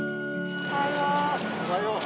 おはよう。